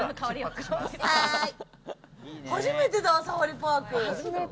初めてだ、サファリパーク！